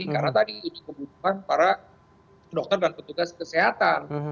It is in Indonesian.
karena tadi itu kebutuhan para dokter dan petugas kesehatan